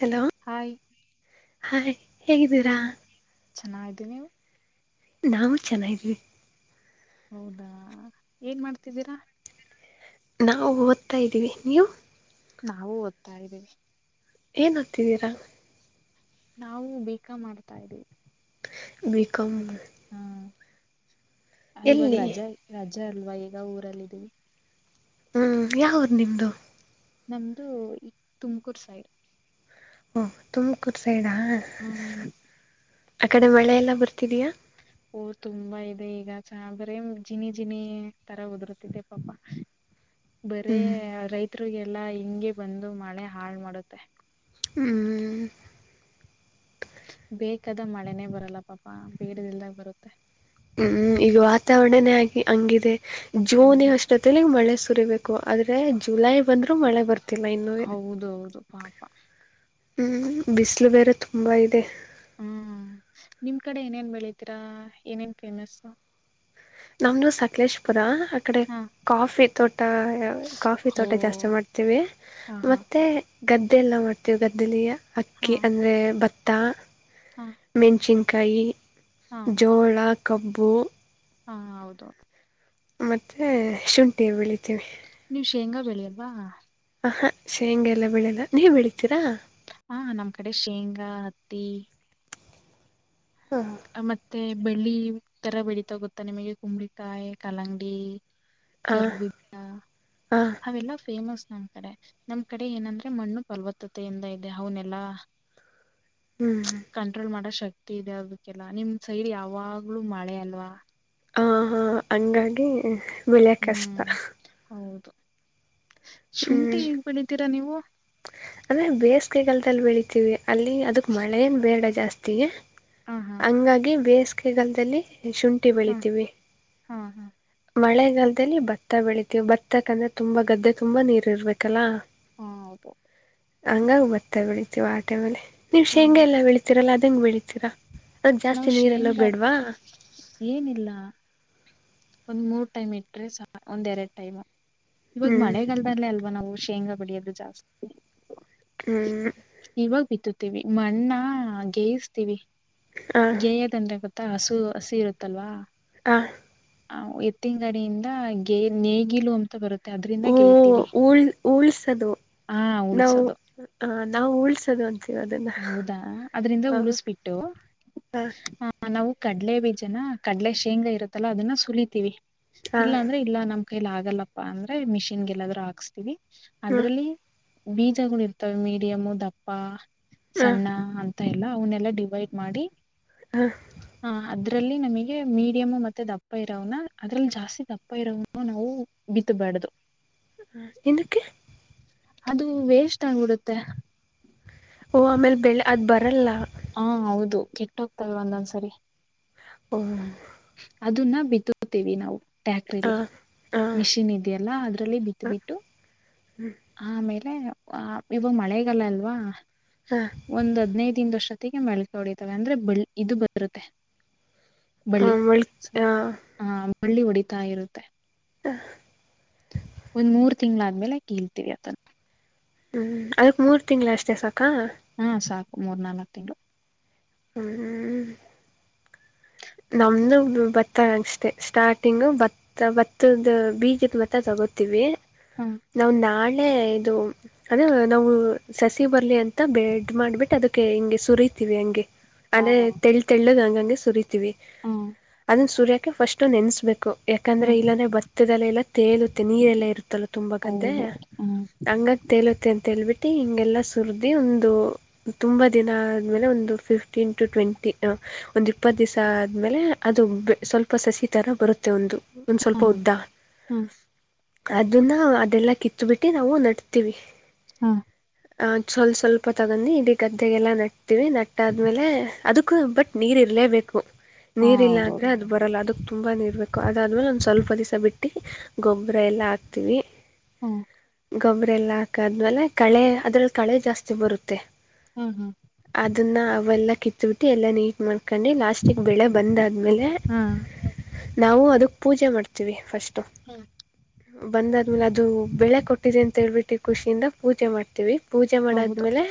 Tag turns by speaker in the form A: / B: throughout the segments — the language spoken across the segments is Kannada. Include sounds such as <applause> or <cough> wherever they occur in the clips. A: ಹಲೋ
B: ಹಾಯ್
A: ಹಯ್ ಹೇಗಿದ್ದೀರಾ.
B: ಚೆನ್ನಾಗಿದೆ ನೀವು.
A: ನಾವು ಚೆನ್ನಿದ್ವಿ.
B: ಹೌದಾ ಏನ್ ಮಾಡ್ತಿದ್ದೀರಾ.
A: ನಾವು ಓದ್ತಾ ಇದ್ದೀವಿ ನೀವು.
B: ನಾವವು ಓದ್ತಾ ಇದ್ದೀವಿ.
A: ಏನ್ ಹೋದತಿದ್ದೀರಾ.
B: ನಾವು ಬಿಕಾಂ ಮಾಡ್ತಾ ಇದೀವಿ.
A: ಬಿಕಾಂ.
B: ಹಾ ಇವಾಗ
A: ಎಲ್ಲಿ
B: ರಜಾ ರಜಾ ಅಲ್ವಾ ಈಗ ಊರಲ್ ಇದ್ದೀವಿ.
A: ಹ್ಮ್ ಯಾವಊರ್ ನಿಮ್ದು.
B: ನಮ್ದು ಈ ತುಮಕೂರ್ ಸೈಡ್.
A: ಓ ತುಮಕೂರ್ ಸೈಡಾ
B: ಹ್ಮ್
A: ಆ ಕಡೆ ಮಳೆ ಎಲ್ಲ ಬರ್ತಿದಯಾ.
B: ಓ ತುಂಬಾ ಇದೆ ಈಗ ಸಾಬರ ಜಿನಿ ಜಿನಿ ತರ ಉದುರ್ತಿದೆ ಪಾಪ.
A: <inaudible>
B: ಬರೇ ರೈತರಿಗೆಲ್ಲಾ ಹಿಂಗೆ ಬಂದು ಮಳೆ ಹಾಳ್ ಮಾಡುತ್ತೆ.
A: ಹ್ಮ್.
B: ಬೇಕಾದ ಮಳೆನೇ ಬರಲ್ಲ ಪಾಪ ಬೇಡದಲ್ದಾಗ ಬರುತ್ತೆ.
A: ಹ್ಮ್ ಈಗ ವಾತಾವರಣನೇ ಆಗಿ ಹಂಗಿದೆ ಜೋನಿ
B: ಹೌದು
A: ಅಷ್ಟೊತ್ತ ಮಳೆ ಸುರಿಬೇಕು. ಆದ್ರೆ ಜುಲೈ ಬಂದ್ರು ಮಳೆ ಬರ್ತಿಲ್ಲ ಇನ್ನುವೆ.
B: ಹೌದೌದು ಪಾಪ
A: ಹ್ಮ್ ಬಿಸಿಲು ಬೇರೆ ತುಂಬಾ ಇದೆ.
B: ಹ್ಮ ನಿಮ್ ಕಡೆ ಏನೇನ್ ಬೆಳಿತೀರಾ ಏನೇನ್ ಫೇಮಸ್.
A: ನಮ್ದ ಸಕಲೇಶ್ ಪುರ. ಆ ಕಡೆ
B: ಹಾ
A: ಕಾಫಿ ತೋಟ ಕಾಫಿ
B: ಹೋ
A: ತೋಟ ಜಾಸ್ತಿ ಮಾಡ್ತೀವಿ.
B: ಹಾ ಹಾ
A: ಮತ್ತೆ. ಗದ್ದೆಲ್ಲ ಮಾಡ್ತೇವಿ ಗದ್ದೆಯಲ್ಲಿ
B: ಹಾ
A: ಅಕ್ಕಿ ಅಂದ್ರೆ ಭತ್ತ,
B: ಹಾ
A: ಮೆಣಚಿನ್ಕಿ ಕಾಯಿ
B: ಹಾ
A: ಜೋಳ, ಕಬ್ಬು.
B: ಹಾ ಹೌದು.
A: ಮತ್ತೆ ಶುಂಠಿ ಬೆಳಿತೀವಿ.
B: ನೀವು ಶೇಂಗಾ ಬೆಳೆಯವ್ವಾ.
A: ಹ ಹಾ ಶೇಂಗೆಲ್ಲ ಬೆಳೆಲ್ಲ ನೀವ್ ಬೆಳಿತೀರಾ.
B: ಹಾ ನಮ್ಮ್ ಕಡೆ ಶೇಂಗಾ, ಹತ್ತಿ.
A: ಹ
B: ಮತ್ತೆ ಬೆಳ್ಳಿ ತರ ಬೆಳೀತಾ ಗೊತ್ತಾ ನಿಮಗೆ ಕುಂಬಳಿಕಾಯಿ, ಕಲ್ಲಂಗರಿ. ಗರ್ಬ
A: ಹ
B: ಅವೆಲ್ಲಾ ಫೇಮಸ್ ನಮ್ ಕಡೆ ನಮ್ ಕಡೆ ಏನಂದ್ರೆ ಮಣ್ಣು ಫಲವತ್ತತೆಯಿಂದ ಇದೆ ಅವನೆಲ್ಲಾ.
A: ಹ್ಮ್
B: ಕಂಟ್ರೋಲ್ ಮಾಡೋ ಶಕ್ತಿ ಇದೆ ಅದು. ಲ್ಲ ನಿಮ್ ಸೈಡ್ ಯಾವಾಗ್ಲು ಮಳೆ ಅಲ್ವಾ.
A: ಹ ಹಾ ಹಂಗಾಗಿ ಬೆಳೆಯದು ಕಷ್ಟ.
B: ಹ್ಮ್ ಹೌದು ಶುಂಠಿ ಹೇಗ್ ಬೆಳಿತೀರಾ ನೀವು.
A: ಅದೇ ಬೇಸಿಗೆಗಾಲದಲ್ಲಿ ಬೆಳಿತೀವಿ ಅಲ್ಲಿ ಅದಕ್ ಮಳ ಏನ್ ಬೇಡ ಜಾಸ್ತಿ.
B: ಹ ಹಾ
A: ಹಂಗಾಗಿ ಬೇಸಿಗೆಗಾಲದಲ್ಲಿ. ಶುಂಠಿ
B: ಹಾ
A: ಬೆಳಿತೀವಿ
B: ಹಾ ಹಾ
A: ಮಳೆ. ಈಗಾಲದಲ್ಲಿ ಭತ್ತ ಬೆಳಿತೀವಿ ಭತ್ತಕಂದ್ರೆ ತುಂಬಾ ಗದ್ದೆ ತುಂಬಾ ನೀರು ಇರ್ಬೇಕಲ್ಲಾ.
B: ಹಾ ಆಯತ
A: ಹಂಗಂಗ ಬರ್ತಾ ಬೆಳತಿವ ಆಟೆ ಮೇಲೆ ನಿಮ್
B: ಹಾ
A: ಶೇಂಗಗೆಲ್ಲ ಬೆಳಿತೀರಲ್ಲ ಅದಂಗ ಬೆಳಿತೀರಾ ಅದ
B: ನಾವು
A: ಜಾಸ್ತಿ ನೀರೆಲ್ಲ
B: ಶೇಂಗಾ
A: ಬೇಡ್ವಾ
B: ಏನಿಲ್ಲ ಒಂದ್ ಮೂರ್ ಟೈಮ್ ಇಟ್ರೆ ಸ ಒಂದ್ ಎರಡ್ ಟೈಮ್ ಇವಾಗ
A: ಹ್ಞೂ
B: ಮಳೆಗಾಲದಲ್ಲೇ ಅಲ್ವಾ ನಾವು ಶೇಂಗಾ ಪಡಿಯೋದುದು ಜಾಸ್ತಿ
A: ಹ್ಞೂ
B: ಇವಾಗ ಬಿತ್ತತ್ತು ಮಣ್ಣಾ ಗೆಯಿಸ್ತೀವಿ
A: ಹಾಂ
B: ಗೇಯ ಅಂದ್ರೆ ಗೊತ್ತ ಹಸು ಹಸಿ ಇರುತ್ತಲ್ವಾ
A: ಹ
B: ಹ ಎತ್ತಿನಂಗಡಿಯಿಂದೇ ನೇಗಿಲು ಅಂತ ಬರುತ್ತೆ ಅದ್ರಿಂದ
A: ಓ
B: ಗೇಯ್ತೀವಿ
A: ಉಳ್ ಉಳ್ಸದು
B: ಹಾ
A: ನಾವು
B: ಉಳ್ಸೋದು
A: ನಾವು ಉಳ್ಸದು ಅಂತ
B: ಹೌದಾ ಅದ್ರಿಂದ ಉಳಿಸ್ಬಿಟ್ಟು
A: ಹಾಂ
B: ಆ ನಾವು ಕಡ್ಲೆ ಬೀಜನ ಕಡ್ಲೆ ಶೇಂಗಾ ಇರತ್ತಲ್ಲಾ ಅದನ್ನ ಸುಲಿತೀವಿ
A: ಹಾಂ
B: ಇಲ್ಲಾ ಅಂದ್ರೆ ಇಲ್ಲಾ ನಮ ಕೈಲಿ ಆಗಲ್ಲಪ್ಪಾ ಅಂದ್ರೆ ಮಿಷಿನ್ ಗೆಲ್ಲಾದ್ ಹಾಕ್ಸ್ತೀವಿ
A: ಹಾಂ
B: ಅದ್ರಲ್ಲಿ ಬೀಜಗಳು ಇರ್ತವೆ ಮೀಡಿಯಮು ದಪ್ಪ
A: ಹಾಂ
B: ಸಣ್ಣ ಅಂತ ಎಲ್ಲ ಅವನ್ನೆಲ್ಲಾ ಡಿವೈಡ್ ಮಾಡಿ
A: ಹ
B: ಹ ಅದ್ರಲ್ಲಿ ನಮಗೆ ಮೀಡಿಯಮ್ ಮತ್ತೆ ದಪ್ಪ ಇರೋನ ಅದ್ರಲ್ಲಿ ಜಾಸ್ತಿ ದಪ್ಪ ಇರೋ ನಾವು ಬಿ ಬಡದು
A: ಹ ಎಂದಿಕೆ
B: ಅದು ವೇಸ್ಟ್ ಆಗ್ಬಿಡತ್ತೆ
A: ಓಹ ಆಮೇಲೆ ಬೆಳೆ ಅದು ಬರಲ್ಲ
B: ಹಾ ಹೌದು ಕೆಟ್ಟ ಹೋಗ್ತವೆ ಒಂದೊಂದ್ಸರಿ
A: ಹ್ಮ
B: ಅದನ್ನ ಬಿತ್ತುತ್ತೇವಿ ನಾವು ಟ್ಯಾಕ್ರಿಲಿ
A: ಹಾಂ ಹಾಂ
B: ಮಿಷಿನ್ ಇದೆಯಲ್ಲ ಅದ್ರಲ್ಲಿ ಬಿತ್ತ
A: ಹ
B: ಬಿಟ್ಟು ಆಮೇಲೆ ಇವಾಗ ಮಳೆಗಲ್ಲ ಅಲ್ವಾ ಒಂದ್ ಹದ್ನೈದಿಂದ ವರ್ಷ ಗೆ ಮಳ್ಕ ಹೊಡಿತವೆ ಅಂದ್ರೆ ಬಳ್ಳಿ ಇದು ಬರುತ್ತೆ ಬಳ್ಳಿ
A: ಮಳ ಆ
B: ಹಳ್ಳಿ ಹೊಡಿತಾ ಇರುತ್ತೆ
A: ಹ
B: ಒಂದ್ ಮೂರ್ ತಿಂಗ್ಗಳಾದ್ಮೇಲೆ ಕೇಳ್ತವಿ ಅದನ್ನ
A: ಹ್ಮ್ ಅದಕ್ ಮೂರ್ ತಿಂಗಗಳ ಅಷ್ಟೇ ಸಾಕ
B: ಹಾ ಸಾಕು ಮೂರ್ ನಾಲ್ಕ್ ತಿಂಗಳು
A: ಹ್ಮ್ಮ ನಮ್ದ ಭತ್ತ ಅಷ್ಟೇ ಸ್ಟಾರ್ಟಿಂಗ್ ಬತ್ತ ಬತ್ತದ ಬೀಗದ ಭತ್ತ ತಗೋ ಕೊತಿವಿ
B: ಹ್ಮ
A: ನಾವು ನಾಳೆ ಇದು ಅದ ನಾವು ಸಸಿ ಬರ್ಲಿ ಅಂತ ಬ್ರೀಡ್ ಮಾಡ್ಬಿಟ್ಟು ಅದಕ್ಕೆ ಹಿಂಗೆ ಸುರಿ ಹಂಗೆ
B: ಹಾ
A: ಅಂದ್ರೆ
B: ಹಾ
A: ತೆ ತೆಳ್ಳದು ಹಂಗ ಹಂಗೆ ಸುರಿತಿವಿ ಸೂರ್ಯಕ ಫಸ್ಟ್ ನೆನೆಸ್ಬೇಕು
B: ಹಾ ಹಾ
A: ಯಾಕಂದ್ರೆ ಇಲ್ಲನೆ ಭತ್ತದಲ್ಲೆಲ್ಲ ತೇಲುತ್ತೆ ನೀರೆಲ್ಲಾ ಇರುತ್ತ ತುಂಬ ಗದ್ದೆ
B: ಹೌದು ಹ್ಮ್
A: ಹಂಗ ತೇಲೆ ಅಂತೇಳ್ಬಿಟ್ಟಿ ಹಿಂಗೆಲ್ಲಾ ಸುರಿದಿ ಒಂದು ತುಂಬಾ ದಿನ ಆದ್ಮೇಲೆ ಒಂದು ಫಿಫ್ಟೀನ್ ಟು ಟ್ವೆಂಟಿ ಒಂದು ಇಪ್ಪತ್ತು ದಿವಸ ಆದಮೇಲೆ ಅದು ಸ್ವಲ್ಪ ಸಸಿ ಥರ ಬರುತ್ತೆ ಒಂದು ಒಂದ ಸ್ವಲ್ಪ
B: ಹ್ಮ
A: ಉದ್ದ
B: ಹ್ಮ್
A: ಅ ಅದನ್ನ ಅದೆಲ್ಲ ಕಿತ್ ಬಿಟ್ಟು ನಾವು ನಡ್ತಿವಿ
B: ಹಾ
A: ಅ ಸ್ವಲ್ ಸ್ವಲ್ಪ ತಗೊಂಡಿ ಇಡೀ ಗದ್ದೆಗೆಲ್ಲ ನಟ್ತೀವಿ ನಟ್ಟ ಆದ್ಮೇಲೆ ಅದ ಬಟ್ ನೀರಿರಲೇಬೇಕು
B: ಹಾ
A: ನೀರಿಲ್ಲ ಅಂದರೆ
B: ಹೌದೌದು
A: ಅದು ಬರಲ್ಲ ಅದಕ್ಕೆ ತುಂಬಾೇ ಇರಬೇಕು ಅದಾದ್ಮೇಲೆ ಒಂದು ಸ್ವಲ್ಪ ದಿವಸ ಬಿಟ್ಟು ಗೊಬ್ಬರ ಎಲ್ಲ ಹಾಕ್ತೀವಿ
B: ಹ್ಮ್
A: ಗೊಬ್ಬ್ರ ಎಲ್ಲ ಹಾಕಾದ್ಮೇಲೆ ಕಳೆ ಅದ್ರಲ್ಲಿ ಕಳೆ ಜಾಸ್ತಿ ಬರುತ್ತೆ
B: ಹ್ಮ್ ಹ್ಮ್
A: ಅದನ್ನ ಅವೆಲ್ಲ ಕಿತ್ಬಿಟ್ಟು ಎಲ್ಲಾ ನೀಟ್ ಮಾಡ್ಕ ಹಕ ಲಾಸ್ಟಕ್ ಬೆಳೆ ಬಂದ್ ಆದ್ಮೇಲೆ
B: ಹಾ
A: ನಾವು ಅದಕ್ ಪೂಜೆ ಮಾಡ್ತೀವಿ ಫಸ್ಟ್
B: ಹ್ಮ್
A: ಬಂದಾದ್ಮೇಲೆ ಅದು ಬೆಳೆ ಕೊಟ್ಟಿದೆ ಅಂತ ಹೇಳ್ಬಿಟ್ಟು ಖುಷಿಯಿಂದ ಪೂಜೆ ಮಾಡ್ತೀವಿ ಪೂಜೆ
B: ಹೌದು
A: ಮಾಡದ್ಮೇಲೆ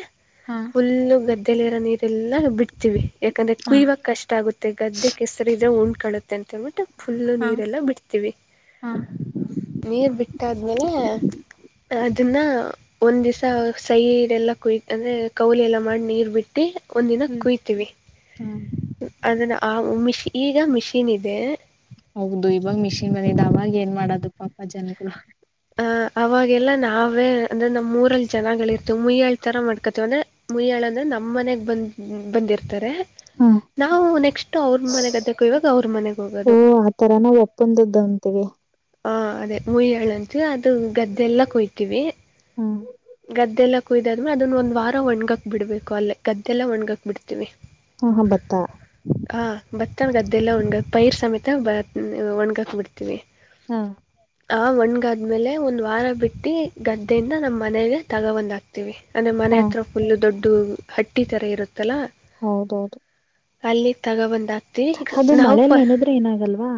B: ಹಾ
A: ಫುಲ್ಲು ಗದ್ದಲಿರೋ ನೀರೆಲ್ಲ ಬಿಟ್ಟ ವಿ ಯಾಕಂದ್ರೆ
B: ಹಾ
A: ಕುಯ್ಯವಕ ಕಷ್ಟ ಆಗುತ್ತೆ ಗದ್ದೆ ಕೆ ಹೆಸರ ಇದ್ರೆ ಉಂಂಡ್ಕಾಣುತ್ತೆ ಅಂತೇಳ್ಬಿಟ್ಟು ಫುಲ್ಲು
B: ಹಾ
A: ನೀರೆಲ್ಲಾ ಬಿಡ್ತೀವಿ
B: ಹಾ
A: ನೀರ್ ಬಿಟ್ಟ ಆದ್ಮೇಲೆ ಅದನ್ನ ಒಂದ್ ದಿವ್ಸ ಸೈೀಡೆಲ್ಲ ಕುಯ ಅಂದ್ರೆ ಕೌಲೆ ಎಲ್ಲಾ ಮಾಡಿ ನೀರ್ ಬಿಟ್ಟಿ ಒಂದಿನ
B: ಹ್ಮ್
A: ಕುಯತೀವಿ
B: ಹ್ಮ
A: ಅದನ್ನು ಆ ಮಿಷ ಈಗ ಮಿಷೀನ್ ಇದೆ
B: ಹೌದು ಇವಾಗ ಮಿಷಿನ್ ಮಂದಿದೆ ಅವಾಗ ಏನ್ ಮಾಡೋದು ಪಾಪ ಜನಗಳುಗಳು
A: ಅವಾಗೆಲ್ಲ ನಾವೇ ಅಂದ್ರೆ ನಮ್ ಮೂರಲ್ಲಿ ಜನಗಳ ಇರ್ತವೆ ಮುಯ್ಯಾಳ್ತರ ಮಾಡ್ಕಳ್ವಿ ಅಂದ್ರೆ ಮುಯಾಳ ಅಂದ್ರೆ ನಮ್ಮ್ ಮನೆಗ್ ಬಂದ ಬಂದಿರ್ತಾರೆ
B: ಹಾ
A: ನಾವು ನೆಕ್ಸ್ಟು ಅವ್ರ ಮನೆ ಗದ್ದೆ ಕೊಯ್ಯುವಾಗ ಅವ್ರ ಮನೆಗೆ
B: ಓ
A: ಹೋಗೋದು
B: ಆ ತರಾನ ಒಪ್ಪಂದದ್ದ ತ್ತೆಗೆ
A: ಹಾ ಅದೇ ಮುಯಹಳಂತು ಅದು ಗದ್ದೆಲ್ಲ ಕೊಯ್ತೀವಿ
B: ಹ್ಮ್
A: ಗದ್ದೆಲ್ಲ ಕುಯ್ದಾದ್ಮೆ ಅದನ್ನ ಒಂದ್ ವಾರ ಒಣ್ಗಾಕ್ ಬಿಡ್ಬೇಕು ಅಲ್ಲೇ ಗದ್ದೆಲ್ಲಾ ಒಣ್ಗಕ್ ಬಿಡ್ತಿೀವಿ
B: ಹಾ ಹಾ ಭತ್ತ
A: ಹ ಭತ್ತನ್ ಗದ್ದೆಲ್ಲ ಒಣಗ ಪೈರ್ ಸಮೇತ ಬ ಒಣ್ಗಾಕ ಬಿಿಡ್ತವಿ
B: ಹಾ
A: ಆ ಒಣ್ಗಾದ್ಮೇಲೆ ಒಂದ್ ವಾರ ಬಿಟ್ಟ ಹಟ್ಟಿ ಗದ್ದೆಯಿಂದ ನಮ್ಮ್ ಮನೆಗೆ ತಗೊಂದ ಹಾಕ್ತಿೀವಿ ಅಂದ್ರೆ ಮನೆ
B: ಹಾ
A: ಹತ್ರ ಫುಲ್ ದೊಡ್ಡ ಹಟ್ಟಿ ತರ ಇರುೆ
B: ಹೌದೌದು
A: ಅಲ್ಲಿ ತಗೊ ಬಂದ
B: ಅದು ಮಳೆಲ್ಲ ನದ್ರೆ ಏನಾಗಲ್ವಾ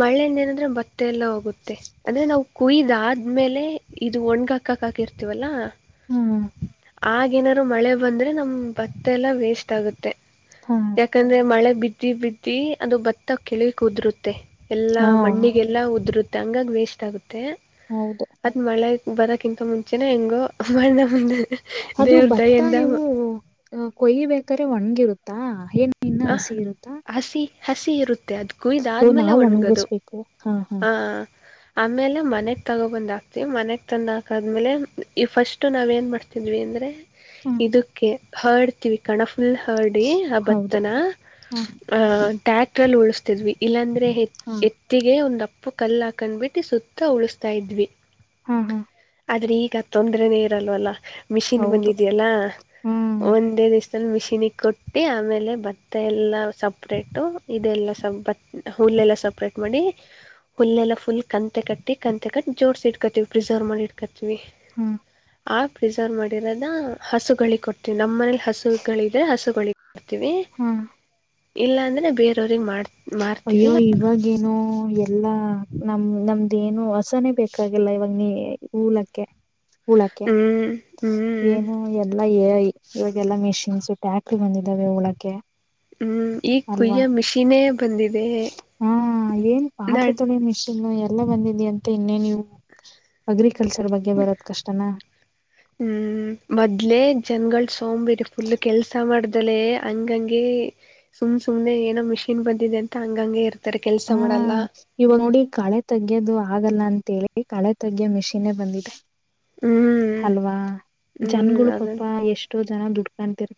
A: ಮಳೆಯಿಂದ ಏನಂದ್ರೆ ಬತ್ತೆ ಎಲ್ಲ ಹೋಗುತ್ತೆ ಅಂದ್ರೆ ನಾವು ಕುಯ್ದ ಆ್ಮೇಲೆ ಇದು ಒಣ್ಗ ಹಾಕಕ್ ಹಾಕಿ ಇರ್ತಿವಲ್ಲಾ
B: ಹ್ಮ್
A: ಆಗೇನಾದ್ರು ಮಳೆ ಬಂದ್ರೆ ನಮ್ ಪತ್ತೆ ಎಲ್ಲಾ ವೇಸ್ಟ್ ಆಗುತ್ತೆ
B: ಹಾ
A: ಯಾಕಂದ್ರೆ ಮಳೆ ಬಿಟ್ಟ ಬಿದ್ದಿ ಬಿದ್ದಿ ಅದು ಭತ್ತ ಕೆಳಕ್ ಉದರುತ್ತೆ ಎಲ್ಲಾ
B: ಹಾ
A: ಮಣ್ಣಿಗೆಲ್ಲಾ ಉದರುತ್ತ ಹಂಗಾಗ ವೇಸ್ಟ್ ಆಗುತ್ತೆ
B: ಹೌದು
A: ಅದ್ ಮಳೆ ಬದಕಿಂತ ಮುಂಚೆನೆ ಹೆಂಗು ಮಾಡ ಮುಂದ
B: ಅದು ಭತ್ತ ನೀವು ಕೊಯಿಬೇಕ್ರೆ ಒಣ್ಗಿರುತ್ತಾ ಏನ್ ನಿನ್ನ ಹಸಿ ಇರುತ್ತಾ
A: ಹಸಿ ಹಸಿ ಇರುತ್ತೆ ಅದ್
B: ಏ
A: ಕುಯ್ದಾದ್ಮೇಲೆ
B: ನಾವ್
A: ಒಣ್ಗದು
B: ಒಣಗಿಸ್ಬೇಕು ಹಾ ಹಾ
A: ಆ ಆಮೇಲೆ ಮನೆಗೆ ತಗೊಬಂದು ಹಾಕ್ತಿೀವಿ ಮನೆಗೆ ತಂದು ಹಾಕಾದ್ಮೇಲೆ ಈ ಫಸ್ಟು ನಾವ ಏನು ಮಾಡ್ತಿದ್ವಿ ಅಂದರೆ
B: ಹ್ಮ್
A: ಇದಕ್ಕೆ ಹರ್ಡ್ತಿವಿ ಕಣ ಫುಲ್ ಹರ್ಡಿ ಆ
B: ಹ್ಮ್
A: ಭತ್ತನ ಅಹ ಟ್ಯಾಕ್ಟ್ರ ಅಲ್ಲಿ ಉಳಿಸಸ್ತಿದ್ವಿ ಇಲ್ಲಾಂದ್ರೆ
B: ಹ್ಮ್
A: ಎತ್ತಿಗೆ ಒಂದ ಉಪ್ಪು ಕಲ್ಲ ಹಾಕೊಂಡ್ಬಿಟ್ಟು ಸುತ್ತ ಉಳಸ್ತಾ ಇದ್ವಿ
B: ಹಾ ಹಾ
A: ಆದ್ರೆ ಈಗ ತೊಂದ್ರನೇ ಇರಲ್ವಲ್ಲ ಮಿಷಿನ್
B: ಹೌದು
A: ಬಂದಿದೆಯಲ್ಲ
B: ಹ್ಮ್
A: ಒಂದೇದ ಇಷ್ಟ ಮಿಶಿನಿಿಗೆ ಕೊಟ್ಟಿ ಆಮೇಲೆ ಭತ್ತ ಎಲ್ಲ ಸಪ್ರೇಟು ಇದೆಲ್ಲ ಹ ಇಲ್ಲಲ್ಲ ಸಪ್ರೇಟ್ ಮಾಡಿ ಹುಲ್ಲೆಲ್ಲ ಫುಲ್ ಕಂತೆ ಕಟ್ಟಿ ಕಂತೆ ಕಟ್ಟಿ ಜೋಡಸಿ ಇಟ್ಕೋತೀವಿ ಪ್ರಿಸರ್ವ್ ಮಾಡಿ ಇಟ್ಕೋತೀವಿ
B: ಹ್ಮ್
A: ಆ ಪ್ರಿಸರ್ವ್ ಮಾಡಿರೋದ ಹಸುಗಳಿಗೆ ಕೊಡ್ತೀವಿ ನಮ್ಮ ಮನೇಲಿ ಹಸುಗಳಿದ್ರೆ ಹಸುಗಳ ಮಾಡ್ತವಿ
B: ಹ್ಮ್
A: ಇಲ್ಲ ಅಂದ್ರೆ ಬೇರವ್ರಗ್ ಮಾಡ್ತ
B: ಅಯ್ಯೋ ಇವಾಗೇನು ಎಲ್ಲಾ ನಮ ನಮ್ದೇ ಏನು ಹೊಸನೆೇ ಬೇಕಾಗಿಲ್ಲ ಇವಾಗ ನೀ ಹಊಲಕ್ಕೆ <unintelligible> ಹಳಕ್ಕೆ
A: ಹ್ಮ್ ಹ್ಮ್
B: ಏನು ಎಲ್ಲಾ ಇವಾಗೆಲ್ಲಾ ಮೆಷಿನ್ಸ್ ಟ್ಯಾಕ್ ಬಂದಿದ್ದಾವೆ ಹುಳಕ್ಕೆ
A: ಹ್ಮ್ ಈಗ
B: ಅಲ್ವಾ
A: ಕುಯ್ಯೋ ಮಿಷಿನೇ ಬಂದಿದೆ
B: ಹಾ ಏನ್ ಪಾತ್ರ
A: ನಾನ್
B: ತಳನ <unintelligible> ಇನ್ನು ಎಲ್ಲ ಬಂದಿದ ಅಂತ ಇನ್ನೇ ನೀವು ಅಗ್ರಿಕಲ್ಚರ್ ಬಗ್ಗೆ ಬರೋದ್ ಕಷ್ಟನ
A: ಹ್ಮ್ ಮೊದ್ಲೆೇ ಜನ್ಗಳು ಸೋಂಬೇರಿ ಫುಲ್ ಕೆಲ್ಸ ಮಾಡ್ದ ಲೇ ಹಂಗಂಗಗೆ ಸುಮ್ ಸುಮ್ನೆ ಏನೋ ಮಿಷಿನ್ ಬಂದಿದೆ ಅಂತ ಹಂಗಂಗಗೆ ಇರ್ತ
B: ಹಾ ಇವಾಗ ನೋಡಿ ಕಳೆ ತೆಗ್ಯೋದು ಆಗಲ್ಲ ಅಂತೇಳಿ ಈ ಕಳೆ ತಗ್ಗೆ ಮೆಷೀನ್ <unintelligible> ಬಂದಿದೆ
A: ಹ್ಮ್
B: ಅಲ್ವಾ
A: ಹ್ಮ್
B: ಜನ್ಗಳು ಪಾಪ
A: ಅದನ್
B: ಎಷ್ಟೋ ಜನ ದುಡ್ಕಂತರ್ <unintelligible>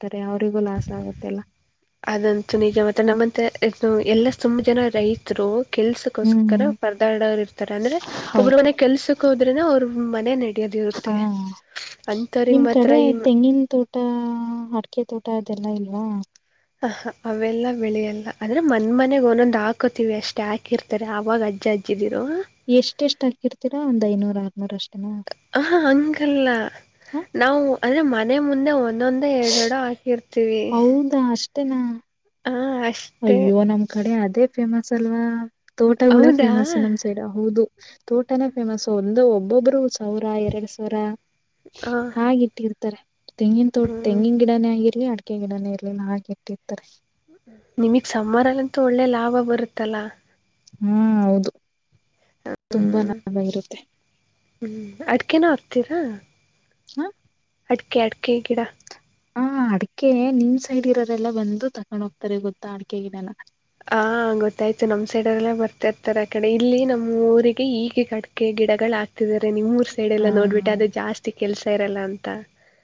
A: ಅದಂತೂ ನಿಜ ಮತ್ತ ನಮ್ಮಂತ ಇ <unintelligible> ಎಲ್ಲ ಸುಮ ಜನ ರೈತರು ಕೆಲ್ಸಕ್ಕೋಸ್ಕರ
B: ಹ್ಮ್
A: ಪರದಾಡೋರು ಇರ್ತಾರೆ ಅಂದ್ರೆ ಒಬ್ರು
B: ಹೌದು
A: ಮನೆ ಕೆಲ್ಸಕ್ ಹೋದ್ರೆನ ಅವ್ರ ಮನೆ ನೆ <unintelligible>
B: ಹಾ ನಿಮ್ ಕಡೆ
A: ಮಾತ್ರ ಈ
B: ತೆಂಗಿನ ತೋಟ ಅಡಿಕೆ ತೋಟ ತೊಟ ಅದೆಲ್ಲ ಇಲ್ವಾ
A: ಆ ಅವೆಲ್ಲ ಬೆಳೆಯಲ್ಲ ಆದ್ರೆ ಮನ್ ಮನೆಗ ಒಂದೊಂದಂದು ಹಾಕೋತಿವಿ ಅಷ್ಟೆ ಹಾಕಿರ್ತಾರೆ ಆವಾಗ ಅಜ್ಜ ಅಜ್ಜಿ <unintelligible> <unintelligible> ಹಾಕ್ಕಿದ್ದಿರ
B: ಎಷ್ಟ ಎಷ್ಟು ಹಾಕಿರ್ತೀ ಒಂದ್ ಐನೂರ್ ಆರ್ನೂರ ಅಷ್ಟು
A: <unintelligible> ಹ ಹಂಗಲ್ಲ
B: ಹ
A: ನಾವು ಅಂದ್ರೆ ಮನೆ ಮುಂದೆ ಒಂದೊಂದ ಎರಡೆರಡು ಹಾಕಿರ್ತೀವಿ
B: <unintelligible> ತ್ತನ್ನ
A: ಹಾಂ ಅಷ್ಟೇ
B: ಅಯ್ಯೋ ನಮ್ ಕಡೆ ಅದೇ ಫೇಮಸ್ ಅಲ್ವಾ ತೋಟಗಳೇ
A: ಹೌದಾ
B: ಫೇಮಸ್ ನಮ್ ಸೈಡ್ ಹೌದು ತೋಟನ ಫೇಮಸ್ ಒಂದು ಒಬ್ಬೊಬ್ರು ಸಾವಿರ ಎರಡ್ ಸಾವಿರ
A: ಹಾಂ
B: ಹಾಗೆಟ್ಟಿರ್ತಾರೆ ತೆಂಗಿನ ತೋಟ
A: ಹ್ಞೂ
B: ತೆಂಗಿನ ಗಿಡನೇ ಆಗಿ <unintelligible> ಇಲ್ಲಿ ಅಡಿಕೆ ಗಿಡನ ಇರ್ಲಿಲ್ಲ ಹಾಗೆ ಇಟ್ಟಿರ್ತಾರೆ
A: ನಿಮಗ್ ಸಮ್ಮರ್ ಅಲ್ಲಂತೂ ಒಳ್ಳೆ ಲಾಭ ಬರುತ್ತಲ್ಲ
B: ಹ್ಮ ಹೌದು
A: ಹ
B: ತುಂಬಾ
A: ಹ್ಮ್
B: ಲಾಭ ಇರುತ್ತೆ
A: ಹ್ಮ್ ಅಡ್ಕೆನು ಆಗ್ತೀರಾ
B: ಹ
A: ಅಡಕೆ ಅಡಕೆ ಗಿಡ
B: ಹಾ ಅಡ್ಕೆ ನಿನ್ ಸೈಡ್ ಇರೋರೆಲ್ಲ ಬಂದು ತಕೊಂಡ್ ಹೋಗ್ತಾರೆ ಗೊತ್ತಾ ಅಡ್ಕೆಗಿಡನ
A: ಹ ಗೊತ್ತಾಯ್ತು ನಮ್ ಸೈಡ್ ಎಲ್ಲ ಬರ್ತಿರ್ತಾರೆ ಆ ಕಡೆ ಇಲ್ಲಿ ನಮ್ಮ್ ಊರಿಗೆ ಈಗ್ ಈಗ‌ ಅಡಿಕೆ ಗಿಡಗಳು ಆಗ್ತಿದಿದ್ದಾರೆ ನಿಮ್ಮೂರ್ ಸೈಡ್
B: ಆ
A: ಎಲ್ಲ ನೋಡ್ಬಿಟ್ಟ ಅದು ಜಾಸ್ತಿ ಕೆಲಸ ಇರಲ್ಲ ಅಂತ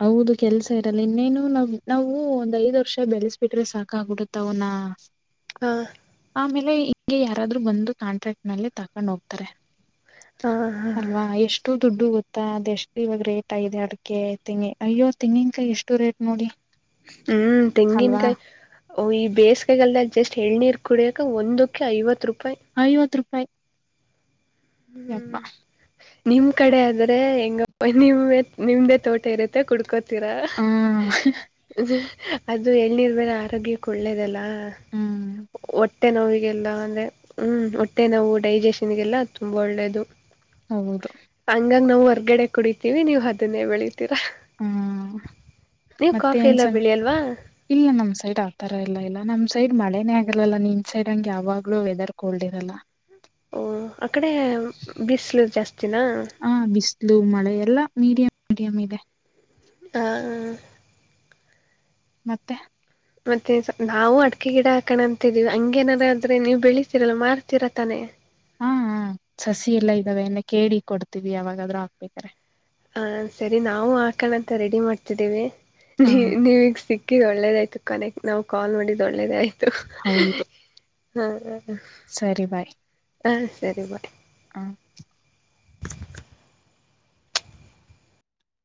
B: ಹೌದು ಕೆಲ್ಸ ಇರಲ್ಲ ಇನ್ನೇನು ನಾವ್ ನಾವು ಒಂದ್ ಐದ್ ವರ್ಷ ಬೆಳೆಸ್ಬಿಟ್ರೆ ಸಾಕ ಆಗ್ಬಿಡುತ್ತ ಅವ ನ ಹಾ ಆಮೇಲೆ ಹೀಗೆ ಯಾರಾದ್ರರು ಬಂದು ಕಾಂಟ್ರಾಕ್ಟ್ ಮಲೆ ತಾಕೊಂಡ್ ಹೋಗ್ತಾರೆ
A: ಹಾ ಹಾ
B: ಅಲ್ವಾ ಎಷ್ಟು ದುಡ್ಡು ಗೊತ್ತಾ ಅದೆ ಎಷ್ಟು ಇವಾಗ ರೇಟ್ ಆಗಿದೆ ಅಡಕೆ ತೆಂಗಿ ಅಯ್ಯೋ ತೆಂಗಿನ್ಕಾಯಿ ಎಷ್ಟು ರೇಟ್ ನೋಡಿ
A: ಹ್ಮ್
B: ಅಲ್ವಾ
A: ತೆಂಗಿನಕಾಯಿ ಈ ಬೇಸಿಗೆಗಾಲದಲ್ಲಿ ಜಸ್ಟ್ ಎಳನೀರು ಕುಡಿಯಕ ಒಂದಕ್ಕೆ ಐವತ್ತು ರೂಪಾಯಿ
B: ಐವತ್ತು ರೂಪಾಯಿ
A: ಹ್ಮ್
B: ಎಪ್ಪಾ <unintelligible>
A: ನಿಮ್ ಕಡೆ ಆದ್ರೆ ಹೆಂಗ ನಿ ನಿಮ್ದೇ ತೋಟ ಇರುತ್ತೆ ಕುಡ್ <unintelligible> <unintelligible> ಕುಡುಕೋತೀರ
B: ಹ
A: <unintelligible> ಅದು ಎಳನೀರು ಮೇಲೆ ಆರೋಗ್ಯಕ್ಕೆ ಒಳ್ಳೇದಲ್ಲ
B: ಹ್ಮ್
A: ಹೊಟ್ಟೆ ನೋವಿಗೆಲ್ಲ ಅಂದ್ರೆ ಹ್ಮ್ ಹೊಟ್ಟೆ ನೋವು ಡೈಜೆಷನ್ಗೆಲ್ಲ ತುಂಬಾ ಒಳ್ಳೇದು
B: ಹೌದು
A: ಇದಾಗ ನಾವು ಹೊರ್ಗಡೆ ಕುಡಿತೀವಿ ನೀವು ಅದನ್ನೇ ಬೆಳಿತೀರಾ
B: ಹ್ಮ್
A: ನೀವು
B: ಮತ್ತೆ
A: ಕಾಫಿ
B: ಏನ್
A: ಎಲ್ಲ
B: ಸಮ <unintelligible>
A: ಬೆಳೆಯಲ್ವಾ
B: ಇಲ್ಲ ನಮ್ ಸೈಡ್ ಆತರ ಎಲ್ಲಾ ಇಲ್ಲ ನಮ್ ಸೈಡ್ ಮಳೆನೇ ಆಗರಲಲ್ಲ ನಿನ್ ಸೈಡ್ ಹಂಗಗೆ ಯಾವಾಗ್ಲೂ ವೆದರ್ ಕೋಲ್ಡ್ ಇರಲ್ಲ
A: ಅಕ್ಕಡೆ ಬಿಸಲು ಜಾಸ್ತಿನ
B: ಆ ಬಿಸಿಲು ಮಳೆ ಎಲ್ಲಾ ಮೀಡಿಯಂ ಮೀಡಿಯಂ ಇದೆ
A: ಹ
B: ಮತ್ತೆ
A: ಮತ್ತೆ ನಾವು ಅಡಿಕೆ ಗಿಡ ಹಾಕಣ ಅಂತಿದೀವಿ ಹಂಗೇನಾರ ಆದ್ರೆ ನೀವು ಬೆಳತಿರಲ್ಲ ಮಾರ್ತೀರ ತಾನೆ
B: ಹಾ ಸಸಿ ಎಲ್ಲಾ ಇದ್ದಾವೆ ಎಲ್ಲ ಕೇಳಿ ಕೊಡ್ತೀವಿ ಯಾವಾಗಾದ್ರೂ ಹಾಕ್ಬೇಕ್ರೆ
A: ಹ ಸರಿ ನಾವು ಹಾಕಣಂತ ರೆಡಿ ಮಾಡ್ತಿದ್ದೀವಿ
B: ಹಾ
A: ನೀ ನೀವಗ್ ಸಿಕ್ ಅ ಒಳ್ಳೇದಾಯ್ತು ಕನೆಕ್ ನಾವು ಕಾಲ್ ಮಾಡಿದ್ ಒಳ್ಳೆದಾಯ್ತ
B: ಹೌದು
A: ಹ ಹ್ಮ
B: ಸರಿ ಬಾಯ್
A: ಹಾ ಸರಿ ಬಾಯ್
B: ಹ್ಮ